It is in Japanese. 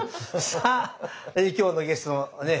さあ今日のゲストのね